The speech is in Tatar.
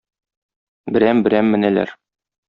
Берәм-берәм менәләр.